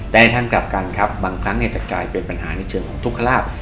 ในทางกลับกันครับบางครั้งจะกลายเป็นปัญหาในเชิงของทุกขลาบ